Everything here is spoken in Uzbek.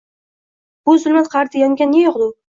Bu zulmat qa’rida yongan ne yog’du